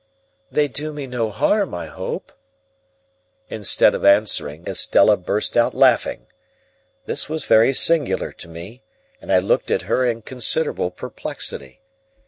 "They do me no harm, I hope?" Instead of answering, Estella burst out laughing. This was very singular to me, and I looked at her in considerable perplexity.